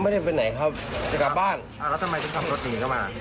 ไม่ได้ไปไหนครับจะกลับบ้านอ่าแล้วทำไมถึงขับรถหนีเข้ามา